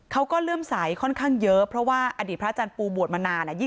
เลื่อมใสค่อนข้างเยอะเพราะว่าอดีตพระอาจารย์ปูบวชมานาน